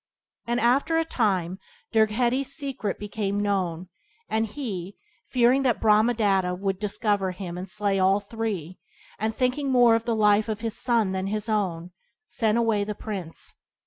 And after a time Dirgheti's secret became known, and he, fearing that Brahmadatta would discover him and slay all three, and thinking more of the life of his son than his own, sent away the prince.